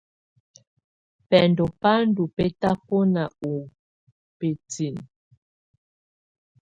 Bɛndɔ́ bá ndɔ́ bɛ́tabɔná ú bǝ́tinǝ.